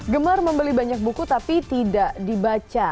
gemar membeli banyak buku tapi tidak dibaca